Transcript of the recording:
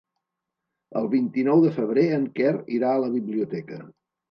El vint-i-nou de febrer en Quer irà a la biblioteca.